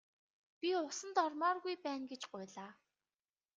Би усанд ормооргүй байна гэж гуйлаа.